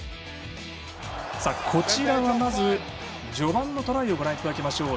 こちらは、まず序盤のトライをご覧いただきましょう。